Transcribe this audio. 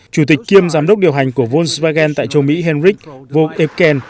chủ tịch kiêm giám đốc điều hành của volkswagen tại châu mỹ henrik wolfken